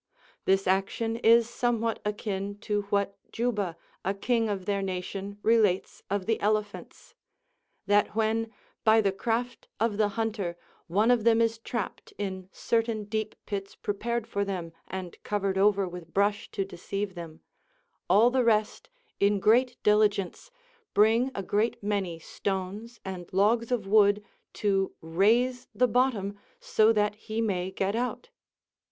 This action is somewhat akin to what Juba, a king of their nation relates of the elephants: "That when, by the craft of the hunter, one of them is trapped in certain deep pits prepared for them, and covered over with brush to deceive them, all the rest, in great diligence, bring a great many stones and logs of wood to raise the bottom so that he may get out."